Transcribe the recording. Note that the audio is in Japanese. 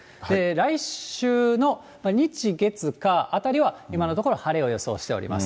来週の日、月、火、あたりは、今のところ晴れを予想しております。